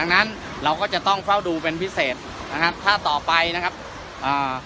ดังนั้นเราก็จะต้องเฝ้าดูเป็นพิเศษนะครับถ้าต่อไปนะครับอ่า